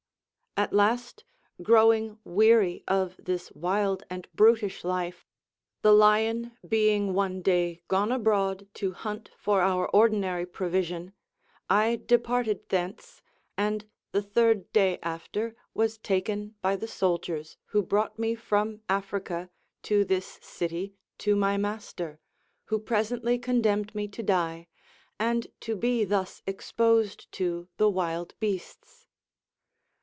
At last, growing weary of this wild and brutish life, the lion being one day gone abroad to hunt for our ordinary provision, I departed thence, and the third day after was taken by the soldiers, who brought me from Africa to this city to my master, who presently condemned me to die, and to be thus exposed to the wild beasts.